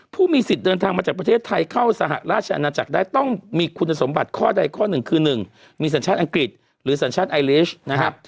ผู้มีสิทธิ์เดินทางมาจากประเทศไทยเข้าสหราชอาณาจักรได้ต้องมีคุณสมบัติข้อใดข้อหนึ่งคือ๑มีสัญชาติอังกฤษหรือสัญชาติไอลิชนะครับ